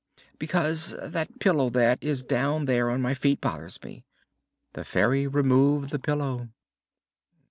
"Because that pillow that is down there on my feet bothers me." The Fairy removed the pillow.